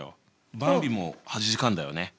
ばんびも８時間だよね。